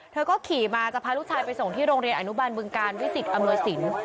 เธอก็ขี่มาจะพาลูกชายไปส่งที่โรงเรียนอนุบาลบึงการวิจิตรอำนวยสิน